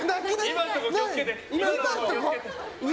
今のところ気を付けて！